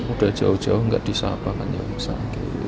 udah jauh jauh gak disabarkan yang sakit